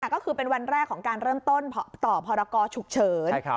ก็คือเป็นวันแรกของการเริ่มต้นต่อพรกรฉุกเฉิน